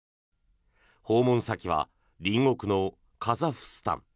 訪問先は隣国のカザフスタン。